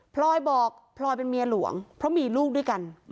พลอยบอกพลอยเป็นเมียหลวงเพราะมีลูกด้วยกัน